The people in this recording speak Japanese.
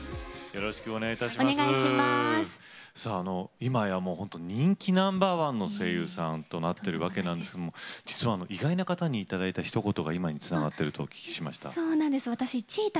いまや人気ナンバーワンの声優さんとなっているわけですが実は意外な方にいただいたひと言が今につながっていると聞きました。